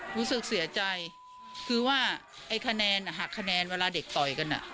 รู้สึกเสียใจคือว่าไอ้คะแนนหักคะแนนเวลาเด็กต่อยกัน